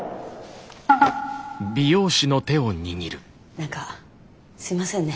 何かすいませんね